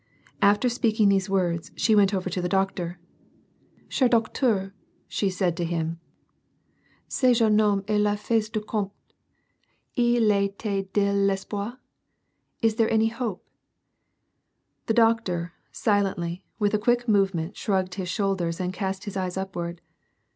After speaking these words, she went over to the doctor, —" Cher doeteur,'' said she to him, " Ce jeune homme est lefils dn comte, Y a^t iZ de Vesjmlr ?— Is there any hope ?" The doctor, silently, with a quick movement shrugged his shoulders and cast his eyes uj)ward.